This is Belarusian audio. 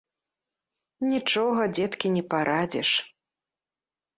Нічога, дзеткі, не парадзіш.